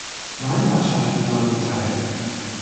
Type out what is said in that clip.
Neun Mannschaften nahmen teil.